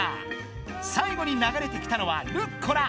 最後に流れてきたのはルッコラ。